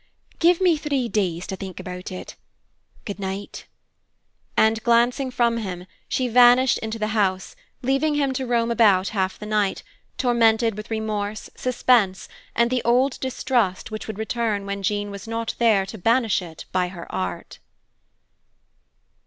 "Give me three days to think of it. Good night." And gliding from him, she vanished into the house, leaving him to roam about half the night, tormented with remorse, suspense, and the old distrust which would return when Jean was not there to banish it by her art.